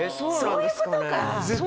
そういうことか！